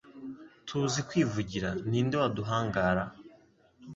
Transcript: tuzi kwivugira ni nde waduhangara?